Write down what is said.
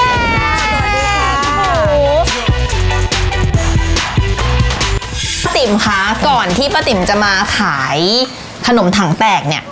สวัสดีค่ะสวัสดีค่ะป้าติ๋มค่ะก่อนที่ป้าติ๋มจะมาขายขนมถังแตกเนี่ย